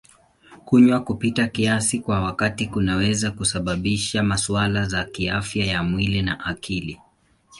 Kunywa kupita kiasi kwa wakati kunaweza kusababisha masuala ya kiafya ya mwili na akili.